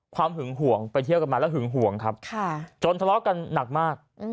หึงห่วงไปเที่ยวกันมาแล้วหึงห่วงครับจนทะเลาะกันหนักมาก